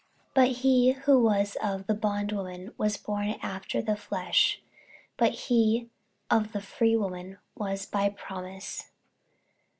48:004:023 But he who was of the bondwoman was born after the flesh; but he of the freewoman was by promise.